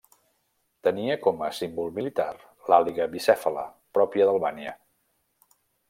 Tenia com a símbol militar l'àliga bicèfala pròpia d'Albània.